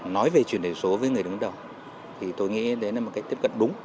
nói về chuyển đổi số với người đứng đầu thì tôi nghĩ đấy là một cách tiếp cận đúng